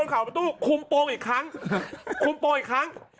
คุมโตงอีกครั้ง